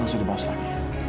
gak usah dibahas lagi